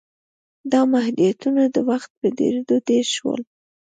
دا محدودیتونه د وخت په تېرېدو ډېر شول.